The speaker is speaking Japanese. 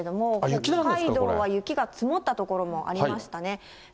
北海道は雪が積もった所もありましたね。